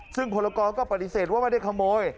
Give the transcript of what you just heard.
ซึ่งพลกรก็ปฏิเสธว่าไม่ได้ขโมย